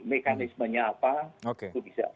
mekanismenya apa itu bisa